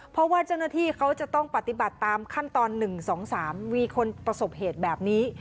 เพราะว่าเจ้าหน้าที่เขาจะต้องปฏิบัติตามขั้นตอน๑๒๓มีคนประสบเหตุแบบนี้